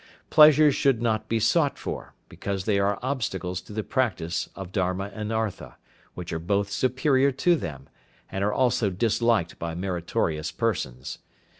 Pleasures should not be sought for, because they are obstacles to the practice of Dharma and Artha, which are both superior to them, and are also disliked by meritorious persons.